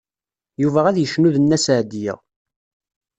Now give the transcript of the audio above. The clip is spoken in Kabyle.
Yuba ad yecnu d Nna Seɛdiya.